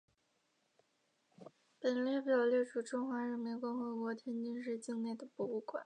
本列表列出中华人民共和国天津市境内的博物馆。